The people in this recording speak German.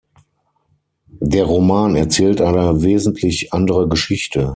Der Roman erzählt eine wesentlich andere Geschichte.